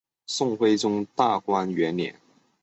宋徽宗大观元年。